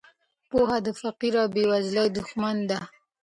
پوهه د فقر او بې وزلۍ دښمنه ده.